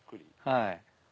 はい。